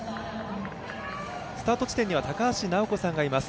スタート地点には高橋尚子さんがいます。